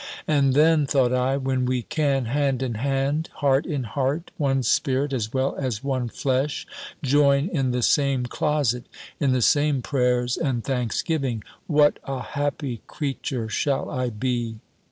"And then," thought I, "when we can, hand in hand, heart in heart, one spirit as well as one flesh, join in the same closet, in the same prayers and thanksgiving, what a happy creature shall I be."